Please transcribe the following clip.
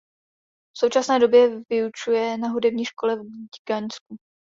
V současné době vyučuje na hudební škole v Gdaňsku.